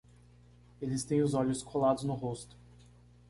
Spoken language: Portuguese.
Eles têm os olhos colados no rosto.